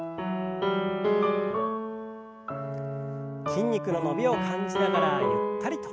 筋肉の伸びを感じながらゆったりと。